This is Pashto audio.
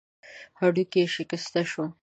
هډوکی يې شکسته شو.